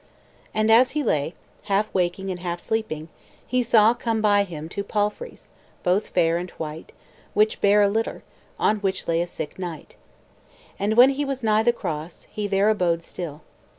And as he lay, half waking and half sleeping, he saw come by him two palfreys, both fair and white, which bare a litter, on which lay a sick knight. And when he was nigh the cross, he there abode still.